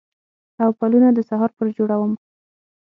او پلونه د سهار پر جوړمه